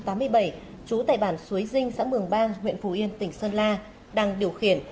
trú tại bàn suối dinh xã mường bang huyện phú yên tỉnh sơn la đang điều khiển